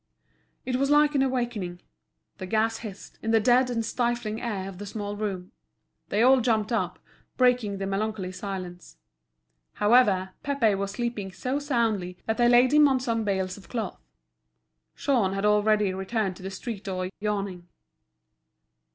It was like an awakening. The gas hissed, in the dead and stifling air of the small room. They all jumped up, breaking the melancholy silence. However, Pépé was sleeping so soundly that they laid him on some bales of cloth. Jean had already returned to the street door yawning.